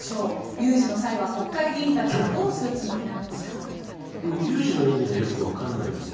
有事の際は国会議員たちはどうするつもりなんですか？